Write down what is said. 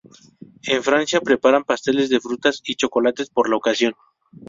En Francia preparan pasteles de frutas y chocolates por la ocasión.